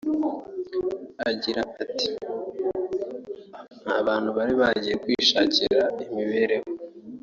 Agira ati “Abantu bari bagiye kwishakira imibereho